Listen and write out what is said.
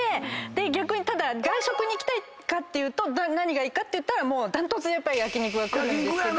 逆にただ外食に行きたいかというと何がいいかっていったら断トツで焼肉が来るんですけど。